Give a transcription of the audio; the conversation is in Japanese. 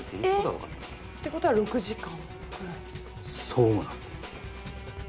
ってことは６時間ぐらい？